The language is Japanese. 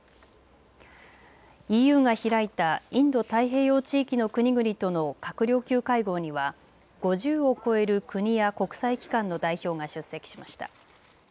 ＥＵが開いたインド太平洋地域の国々との閣僚級会合には５０を超える国や国際機関の代表が出席しました。